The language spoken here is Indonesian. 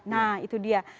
nah itu dia